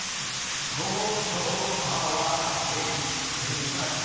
東京タワーだって生きてるんだよ